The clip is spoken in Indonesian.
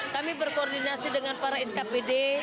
kami berkoordinasi dengan para skpd